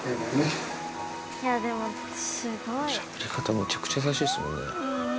めちゃくちゃ優しいですもんね。